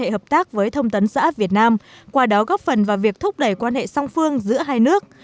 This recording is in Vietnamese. hợp tác với thông tấn xã việt nam qua đó góp phần vào việc thúc đẩy quan hệ song phương giữa hai nước